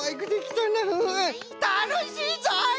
たのしいぞい！